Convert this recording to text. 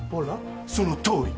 そのとおり。